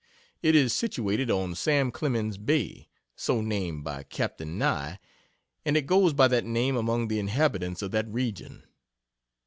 It is situated on "Sam Clemens Bay" so named by Capt. Nye and it goes by that name among the inhabitants of that region.